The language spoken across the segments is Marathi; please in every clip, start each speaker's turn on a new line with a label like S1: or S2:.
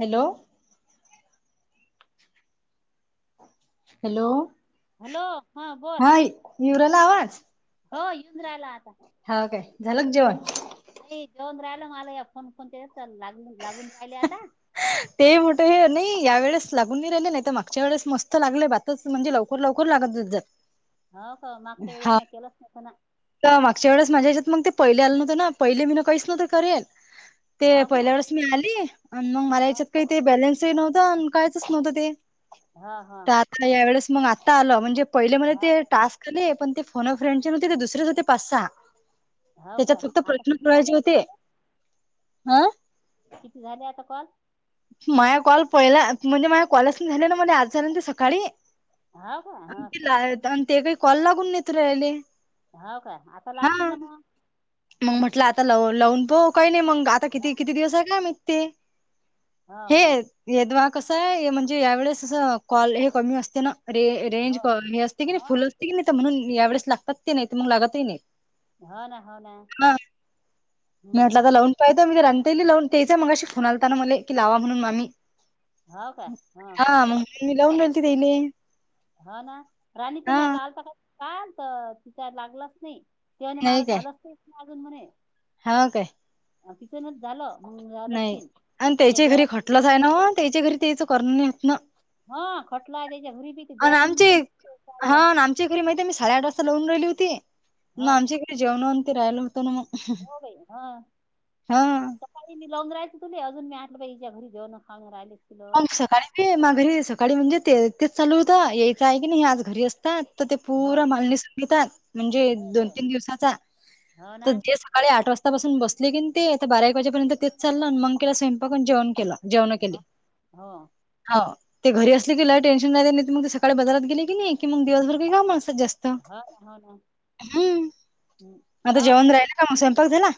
S1: हॅलो. हॅलो.
S2: हॅलो हा बोल.
S1: येऊ राहिला आवाज
S2: हो येऊन राहिला आता.
S1: हाल काय? झालं का जेवण?
S2: नाही जेऊन राहिल. मला या फोन फोन ते तर लाग लागून राहिले आता.
S1: ते मोठे नाही या वेळेस लागून नाही राहिले. नाही तर मागच्या वेळेस मस्त लागले. बातच म्हणजे लवकर लवकर लागत जत जात.
S2: हव का? मागच्या वेळेस म्या केलंच नवत ना.
S1: तेव्हा मागच्या वेळेस माझ्या हच्यात मग ते पहिले आलं नव्हत ना. पहिले मी ना काहीच नवतं करेल. ते
S2: हो का
S1: पहिल्या वेळेस मी आली. आणि मग मला याच्यात काही ते बॅलेन्सही नव्हतं. आणि कायचच नव्हतं ते.
S2: हा हा.
S1: तर या वेळेस मग आता आलं. म्हणजे पहिले म्हणजे
S2: हो
S1: ते टास्क केले. पण ते फोन अ फ्रेडचे नवते ते दुसर रेच होते पाच- सहा.
S2: हो का हो का
S1: त्याच्यात फक्त
S2: आता
S1: प्रश्न
S2: किती झाले
S1: सडायचे
S2: मग
S1: होते. ह.
S2: किती झाले आता कॉल?
S1: माझ कॉल पहिला, म्हणजे माझे कॉलच नाही झाले ना. महे आज नंत सकाळी.
S2: हो का हो असं
S1: ते ते काही कॉल लागून नाहीेत राहिले.
S2: हाव काय? आता
S1: हा
S2: लागतील ना मग.
S1: मग म्हटलं आताव लावून पाहु. काही नाही मग आता
S2: हो
S1: किती किती दिवस आहे का मिहीत ते.
S2: हो
S1: हे
S2: हो
S1: यदवा कसये. म्हणजे यावेळेस अस कॉल हे कमी असते ना. रे रेंज
S2: हो का?
S1: हे असते की नाही. फुल
S2: हो
S1: असते की नाही. त म्हणून या वेळेस लागतात ते. नाही त मग लागतही नाही.
S2: होना, होना
S1: हा मी म्हटलं आता लावून पाहायचं मी राणीताई ल लावून तेचय मगाशी मला फोन आलता ना मले कि लावा म्हणून मामी
S2: हो का हो हो
S1: हा मग मी लावून राेलते तेले
S2: हा ना राणीचा तुम्ही लालता का तर तिचा लागलाच नाही त्याने
S1: नाही
S2: मला
S1: काय
S2: झालाच नाही आजून म्हणे
S1: हा काय
S2: अ तिथूनच झालं मग जाव लक्षण [unintelligible]
S1: कुठला जा आहे ना त्याच्या घरी तेच करण नाहीेत ना
S2: हा खटला आहे त्याच्या हुरी बी
S1: आणि आमचे
S2: जरांत
S1: हा
S2: चाललं
S1: आणि आमच्या घरी महित आहे मी साडेआठ वाजता लावून राहिली होती
S2: हा
S1: ना आमच्या घरी जेवणान ते राहिलं ना मग
S2: हो ताई हा
S1: हा
S2: चा काळी मी लावून राहायच तु अजून लं हिच्या घरी राहिले
S1: मग सकाळी ते मा घरी सकाळी म्हणजे ते तेच चालू होतं यायचं आहे की नाही आज घरी असतात ते
S2: हो
S1: पूरा मालणीस मितात म्हणजे दोन,
S2: हो
S1: तीन दिवसाचा
S2: हो ना
S1: तर ते सकाळी आठ वाजतापासून बसले कीन ते आता बारा एक वाजेपर्यंत तेच चाललं मग केला स्वयंपाक अन् जेवण केल जेवण केली
S2: ह
S1: हाव ते घरी असले की ल टेन्शन नाही, नाही मग ते सकाळी बाजारात गेले की नाही कि मग दिवसभर काही काही कामच नाही जास्त
S2: हो ना हो ना
S1: हम्म
S2: हं.
S1: मता
S2: लावत
S1: जेवन
S2: जाय
S1: राहिला का मग स्वयंपाक झाला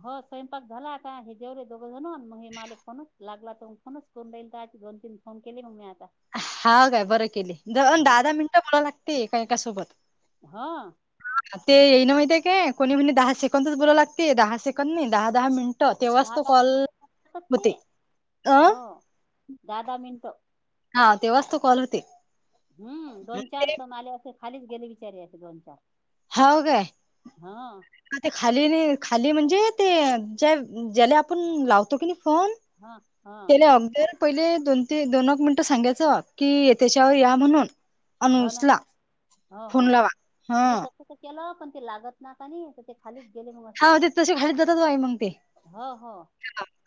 S2: हो स्वयंपाक झाला का हे जेवले दोघं जण मग हे मालिक फोनच लागला तर फोनच करून राईल आ दोन, तीन फोन केले मग मी आता
S1: हा काय बरं केली दहा,
S2: हो
S1: दहा मिनिटं बोला लागते एका एकासोबत
S2: हा
S1: हा ते येई ना माहितय काय कोणी म्हणी दहा सेकंदच बोलाव लागते दहा सेकंद नाही दहा, दहा मिनट ट तेव्हाच
S2: दहा
S1: तो
S2: दहा
S1: कॉल
S2: मिनिटं लागतात ते
S1: होते अ
S2: हो दहा, दहा मिनिट
S1: हा तेव्हाच तू कॉल होते
S2: हम्म दोन, चार तर मा आले असे खालीच गेले विचारी अस दोन, चार
S1: हाव काय
S2: हा
S1: ते खाली खाली म्हणजे ते ज्या ज्याला आपण लावतो की नाही फोन
S2: हा हा
S1: त्याले [unintelligible] पहिले दोन ते दोन मिनिटं सांगायचं कि त्याच्यावर या म्हणून अन
S2: हो ना
S1: उचला
S2: हो
S1: फोन
S2: हो
S1: लावा हा
S2: नाही तसं केलं पण ते लागत ना का नाही खालीच गेले मग असे
S1: हा ते तसे खालीच जातात बाई मग ते
S2: ह, ह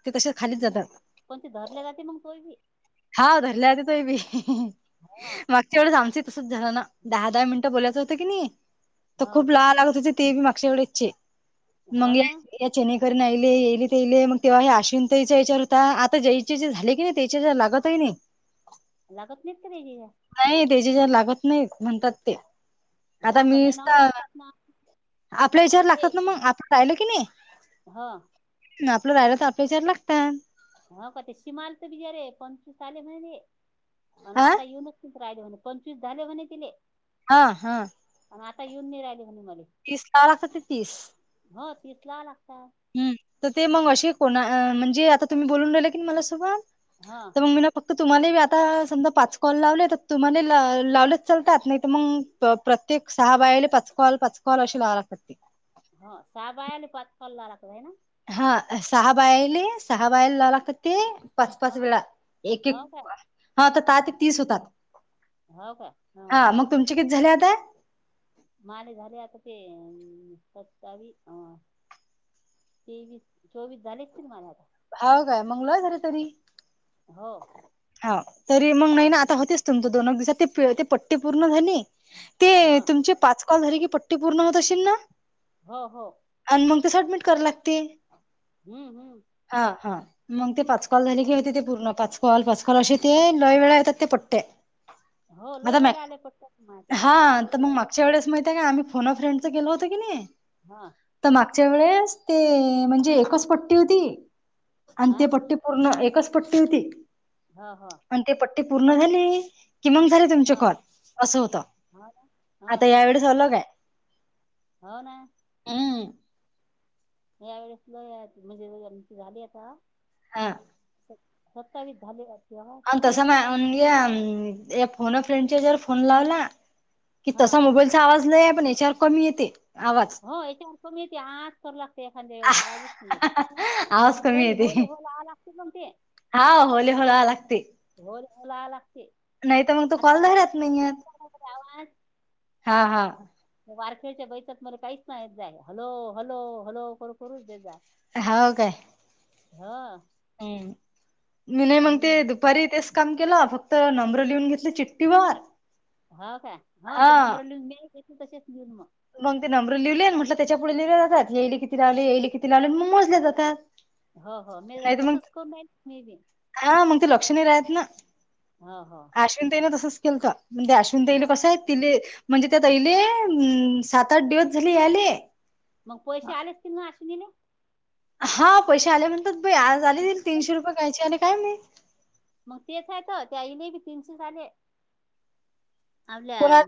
S1: ते तशे खालीच जातात
S2: कोणचे धरले जाते मग पोरगी
S1: हा धरल्या त तोय मी
S2: हा
S1: मागच्या वेळेस आमच तसच झालं ना दहा, दहा मिनटं बोलायच होतं की नाही तर
S2: हा
S1: खूप ल लागत त ते बी मागश्या वेळेस चे
S2: हो
S1: मंग या
S2: ना
S1: चचेनीकन आयले येईले ते येले मग तेव्हा हे अश्विवंतताईचा विचार होता आता जयचे जे झाले की नाही त्याच्या लागत तय नाही
S2: लागत नाहीत का त्याज्या
S1: नाहीं त्यांच्या जं लागतं नाहीं म्हणतांत ते आंता
S2: हो का नाही ना
S1: मीसता.
S2: लागतात ना
S1: आपल्यां विचांर
S2: ते
S1: लागतांत नां मंग आपणं राहिलो की नाहीं.
S2: हो
S1: आपलं राहायंल तरं आपल्यां विचार लागतांत.
S2: हो कां ते सिमाल तरं बिचारे पंचवीस आले म्हणे पणं
S1: हा
S2: आंता येऊंन. पंचवीस राहिले म्हंणे पंचवीस झांले म्हंणे तिले.
S1: हां हां.
S2: आणि आंता येऊंन नाहीं राहिली म्हंणे मले.
S1: तीस करां लागतांत तीस.
S2: हो तिस लावां लागतांत
S1: हम्मं तरं ते मंग असे कोणां म्हणजे आंता तुम्हीं बोलूंन राहिले की मलां सगळं.
S2: हां.
S1: तरं मंग मी नां फक्तं तुम्हांला आंता समजां पांच कॉल लावले तरं तुम्हांला लावलेच चलतांत नाहीं तरं मंग. प्रत्येक सहा बायाले पांच कॉल पांच कॉल अशी लावावं लागतांत.
S2: हं साहा बायले पांच कॉल लावावं लागतं होयं नां.
S1: हां सहा बायेले सहा बांयलां लावावं लागतं ते. पांच
S2: हा
S1: पांच वेळां एक एक
S2: हो काय
S1: हां तरं दहा ते तीस होतांत.
S2: हो कां हां हां.
S1: तुंमचे किती झांले आंता.
S2: माझे झाले आंता ते अं सत्तावी अं. तेवीस चोवीस झांले असतील माझे आंता.
S1: हांव कायं मंग लई झाले तरी.
S2: हो.
S1: हां तरी मंग नाहीं नां आंता होतेच तुमचं दोन दिवसांत ते ते पट्टी पूर्ण झाली. ते
S2: हा
S1: तुंमचे पांच कॉल झाले की पट्टी पूर्ण होतं असशील नां.
S2: हो हो.
S1: अं मंग ते सडमिट करां लागते
S2: हम्मं हम्मं.
S1: हां हां मंग ते पांच कॉल झाले कि होते ते पूर्ण. पांच कॉल पांच कॉल असे ते लई वेळां येतांत ते पट्टे.
S2: हो
S1: आंता
S2: लय वेळ आले पटकन माझ्या ते
S1: हां
S2: पिवळे
S1: तरं मंग
S2: झाल्या ना
S1: मागच्यां
S2: त्या
S1: वेळेस माहित आहे कां आम्हीं. फोन अ फ्रेंड चं केलं होतं की नाहीं.
S2: हां.
S1: तरं मागच्यां वेळेस ते म्हणजे
S2: हा
S1: एकचं पट्टी होती आणि
S2: हा
S1: ते पट्टी. पूर्ण एकचं पट्टी होती.
S2: हां हां.
S1: आणि ते पट्टी पूर्ण झाली कि मंग झाले तुमचे कॉल असं होतं.
S2: हां
S1: आंता यांवेेळेस झाले कायं
S2: हो नां
S1: हम्मं
S2: यां वेळेस लंय आहेत म्हणजे आमची झाली आहे आंता
S1: हां
S2: सत्तावी झाले माझे
S1: अं तसं मा म्हं यां फोन फ्रेंडच्या वरं फोन लावलां कि
S2: हा
S1: तसां मोबाईलचा आंवाज नाहीं आहे पणं यांच्यावर कमी येते आवाज
S2: हो याच्यावर कमी येते. आज कर लागते एखाद्या वेळेस. आजच नाहीय.
S1: आवाज कमी
S2: जरी
S1: येते.
S2: होल होला आ लागते मग ते.
S1: हा होले होलावा लागते.
S2: होला लागते
S1: नाही तर मग तो
S2: आ
S1: कॉल धरत नाही येत.
S2: आवाज [unintelligible]
S1: हा हा.
S2: वारखेडच्या बाईतच मला काहीच माहित नाही. हलो हलो हलो करो करूच देत जाय.
S1: हाव काय?
S2: ह.
S1: हम्म. मी नाहीय मग ते
S2: हम्म
S1: द दुपारी तेच काम केलं. फक्त नम्र लिहून घेतलं चिट्टठी वर.
S2: हाव काय? हो ते नंबर लिहून ने. तसेच लऊन म. [unintelligible]
S1: मग ते नम्र लिहवले. म्हटलं त्याच्या पुढे लिहिले जातात. येईले किती लावले. येईले किती लावले. मग मोजल्या जातात.
S2: हो हो मी
S1: नाही तर मग
S2: तसच करूनय मी बी.
S1: हा मग ते लक्ष नाही राहत ना.
S2: हो हो.
S1: अश्विन ताईन तसंच केलत. म्हते अश्विन ताईले
S2: हो ना
S1: कसंय तिले म्हणजे त्या ताईले सात आठ दिवस झाले याले.
S2: मग पैसे आलेत की नाही अश्विनी ले.
S1: हा पैसे आले म्हणतात बई. आज आले तीनशे रुपये कायचे आले काय माहित?
S2: मग तेच हाय त. त्याईले बी तीनशे आले. आपल्या
S1: कोणा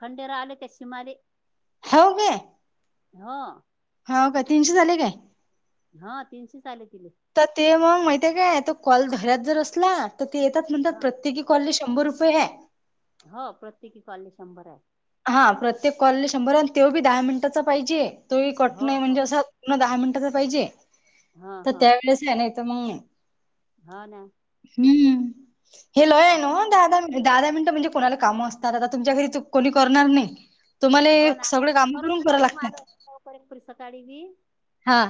S2: खंडेरावलं त्या शिमाले.
S1: हव काय?
S2: हो.
S1: हाव का? तीनशेच आले काय?
S2: हा तीनशे आले तिले.
S1: त ते मग माहितीे काय? तो कॉल धाऱ्यात जर असला तर ते येतात म्हणतात
S2: हा
S1: प्रत्येकी कॉले शंभर रुपयेय.
S2: हो प्रत्येकी कॉले शंभरे.
S1: हा प्रत्येक कॉले शंभर. अण तो बी दहा मिनिटाचा पाहिजे. तो बी कट
S2: हो
S1: नाही
S2: हो
S1: म्हणजे अस पूर्ण दहा मिनिटच पाहिजे.
S2: हा
S1: त त्यावेेळेसे नाही त मग
S2: हा ना.
S1: हम्म. हे लोहेन ओ.
S2: अशीच की
S1: दहा
S2: आहे.
S1: दहा दहा दहा मिनिटं म्हणजे कोणाला कामं असतात. आता तुमच्या घरीत कोणी करणार नाही. तुम्हाला
S2: हो ना काय
S1: सगळे काम
S2: करत
S1: करून कराव
S2: राहता
S1: लागतात
S2: मला पोरी सकाळी बी.
S1: हा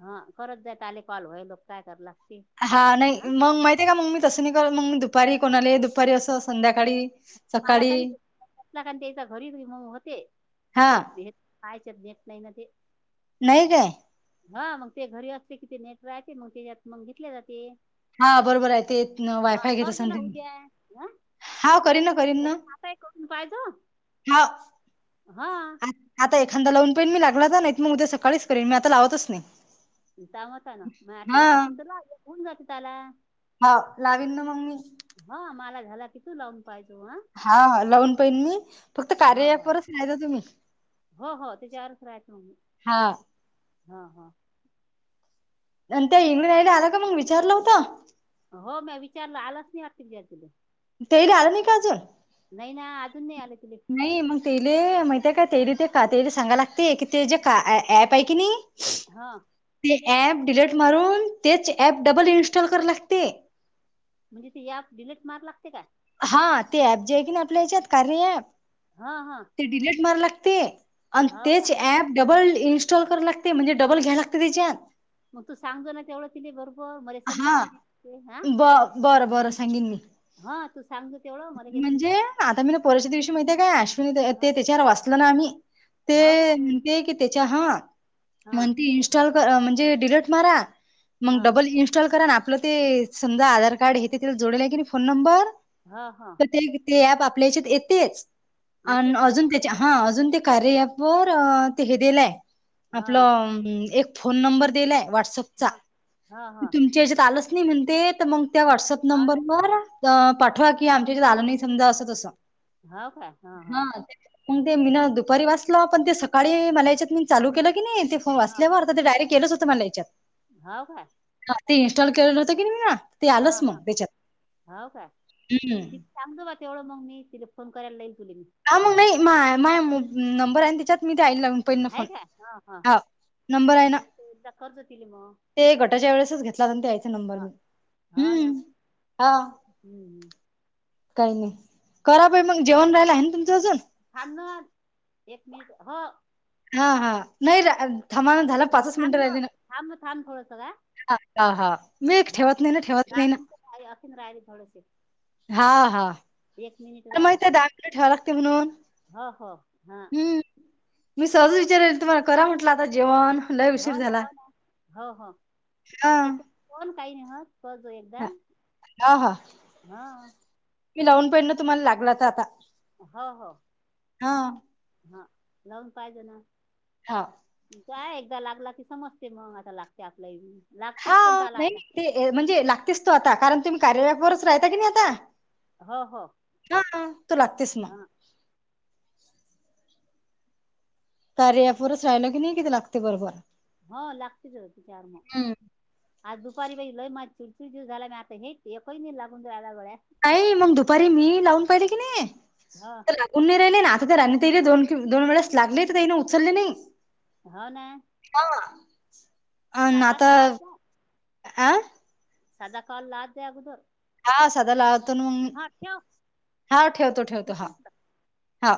S2: हा करत जायत आले कॉल. व्हाय लोक काय कर लागते.
S1: हा नाही मग माहिते का मग मी तसं नाही करत. मग मी दुपारी कोणाले दुपारी असं संध्याकाळी.
S2: मला
S1: सकाळी
S2: खरीला [unintelligible] कार त्याच्या घरी होते.
S1: हा
S2: त्याच्यात कायचेत देत नाही ना ते.
S1: नाही काय?
S2: हा मग ते घरी असले कि ते नेट राहते. मग त्याच्यात मग घेतले जाते.
S1: हा बरोबरे ते
S2: हा
S1: वायफाय घेत
S2: करजो
S1: असन
S2: ना
S1: ते. हाव करी न.
S2: आताय करून पाहायजो.
S1: हाव.
S2: हा.
S1: आता एखादा लावून पाहिन मी. लागलाच नाहीत मग उद्या सकाळीच करीन. मी आता लावतच नाही.
S2: दामत ना. मग आता
S1: हा
S2: लावशीन त लाव. होऊन जाते त्याला.
S1: ह लावीन ना मग म मी
S2: हा मला झाला की तु लाव पायजो हा
S1: हा लावून पहिन मी, फक्त
S2: ह ह
S1: कार्यावरच राहायच तुम्ही.
S2: हो हो त्याच्यावरच राहीतो मी
S1: हा
S2: ह हा
S1: नंतर त्या इंगळे तायला आला का मग विचारलं होतं?
S2: हो म्या विचारलं आलाच नाही [unintelligible]
S1: ते घ्यालं ना का अजून
S2: नाही ना अजून नाही आलं तिले
S1: नाही मग तेले माहिते का तेरी ते का ते सांगाय लागते की, ते जे का ऍप आहे की नाही
S2: हा
S1: ते ऍप डिलीट मारून, तेच ऍप डबल इन्स्टॉल कराल लागते.
S2: म्हणजे ती याप डिलीट मारा लागते काय
S1: हा ते ऍप जे आहे की, नाही आपल्या याच्यात कारया ऍप
S2: हा हा
S1: ते डिलेट माराय लागते आणि
S2: का
S1: तेच ॲप डबल इन्स्टॉल करू लागते, म्हणजे डबल घ्याय लागते त्याच्यात
S2: मग तू सांगतो ना तेवढं तिने बरोबर, मले समजत
S1: हा
S2: बी नाही हा.
S1: ब बरं बरं सांगेन मी
S2: हा तू सांगजो तेवढं मला काही
S1: म्हणजे
S2: समजत
S1: आता मी ना पोरवाच्या दिवशी माहितीे काय अश्विनी
S2: ह
S1: ते त्याच्यावर वाचल ना आम्ही ते
S2: हो का
S1: ते की त्याच्या हा,
S2: ह
S1: म्हण इन्स्टॉल म्हणजे डिलीट मारा. मग
S2: ह
S1: डबल इन्स्टॉल करा ना, आपलं ते समजा आधार कार्ड हे तेला जोडेल आहे की नाही फोन नंबर
S2: हा हा
S1: तर ते आपल्या हिच्यात येतेच
S2: येतेच आहे
S1: अज त्या हा अजून ते कार्यया वर ते हे दिलंय
S2: ना
S1: आपलं अं, एक फोन नंबर दिलाय व्हॉटसपचा,
S2: ह ह ह ह
S1: तुमच्या याच्यात आलच नाही म्हणते तर मग त्या व्हॉट्सअप
S2: हो ना
S1: नंबरवर पाठवा की, आमच्या आलं नाही समजा असं तसं
S2: हो काय ह
S1: हा
S2: ह
S1: ते मग ते मी ना दुपारी वाचलं, पण ते सकाळी मला याच्यात मी चालू केलं की नाही ते ते वाचल्यावर तर ते डायरेट येतच होतं मला याच्यात.
S2: हौ काय?
S1: ते इन्स्टॉल केलेलं होतं की नी
S2: हा हा, हौ काय?
S1: हम्म
S2: ति सांगतो तिला तेवढं मग म ति फोन कयला लाईल तु मी
S1: हा मग मी माय माय नंबर आहे त्याच्यात मी द्यायला लागून.
S2: हाय काय, हा हा.
S1: नंबर आहे ना
S2: मग कर जा तीले मग,
S1: ते गटाच्या वेळेसच घेतला होता ना त्याचा नंबर
S2: हा.
S1: मी
S2: हा ना
S1: हम्म. हा
S2: हम्म हम्म
S1: काही नाही, करा बाई मग जेवण राहिला आहे ना तुमचं अजून?
S2: थांब ना एक मिनिट, हो.
S1: हा हा नाही, र थामा झाला पाचच
S2: थांब
S1: मिनटं राहिली ना
S2: थांब थांब थोडस का
S1: हा हा मी
S2: हा
S1: ठेवत नाही ना ठेवत नाही
S2: गार
S1: ना
S2: होऊन राहिले थोडसे.
S1: हा हा मग
S2: राहिला
S1: ते दाण पेठीवर ठेवावे लागते म्हणून
S2: हो हो हां!
S1: हम्म मी सहजच विचारल तुम्हाला करा म्हंटलं, आता जेवण. लय
S2: हो
S1: उशीर
S2: ना
S1: झाला
S2: हो ना हो हो!
S1: हा
S2: कोण काही नाही ह करदो एकदा
S1: हा
S2: ह
S1: की लावून पाहिलं तुम्हाला लागलाता आता.
S2: हो हो!
S1: हा!
S2: हा, लावून काय देणार.
S1: हा!
S2: काय एकदा लागला की समजते मग आता लागते आपला लागतेच पण त्याला आता.
S1: तेहे म्हणजे लागतीस तो आता कारण तुम्ही कार्यारत बरंच राहता की आता.
S2: हो हो
S1: धनू तु, लागतेस मग
S2: हा
S1: कार्यापुरुष राहिल की, नि किती लागते बरोबर.
S2: हो लागतेच त चार मग
S1: हम्म.
S2: आज दुपारी बागितलोय माझी चिडचिड झालयं एक न ही जाईल बघाय.
S1: नाही म दुपारी मी लावून पाहिले की नी
S2: हो
S1: तला उन्राहिले ना आता तर राणीताईला आणि, दोन दोन वेळेस लागले तर ताईन उचलले नाही.
S2: हाऊ ना!
S1: हा अ हं नं
S2: साधाच
S1: आता
S2: लावत जा
S1: अ
S2: साधा कॉल लावते आगोदर.
S1: हा सधा लावतो ना मग हा ठेवतो, ठेवतो हा
S2: ठेव
S1: हा.